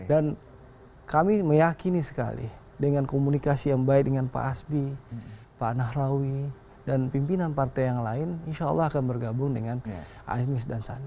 kami meyakini sekali dengan komunikasi yang baik dengan pak asbi pak nahrawi dan pimpinan partai yang lain insya allah akan bergabung dengan anies dan sandi